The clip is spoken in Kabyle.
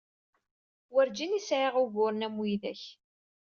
Werǧin i sɛiɣ uguren am widak.